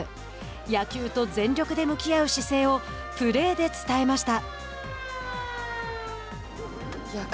野球と全力で向き合う姿勢をプレーで伝えました。